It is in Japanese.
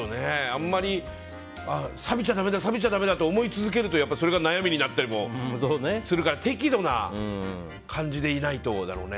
あんまり、さびちゃだめださびちゃだめだと思い続けるとそれが悩みになったりするから適度な感じでいないとだろうね。